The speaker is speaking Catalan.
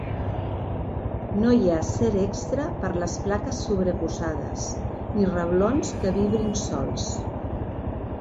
No hi acer extra per les plaques sobreposades ni reblons que vibrin solts.